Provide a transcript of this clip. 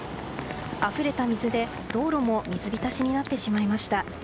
あふれた水で、道路も水浸しになってしまいました。